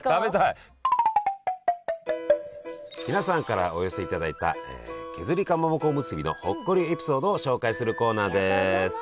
皆さんからお寄せいただいた削りかまぼこおむすびのほっこりエピソードを紹介するコーナーです！